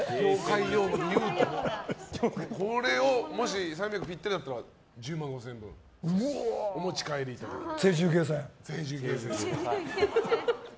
これをもし、ぴったりなら１０万５０００円分お持ち帰りいただけます。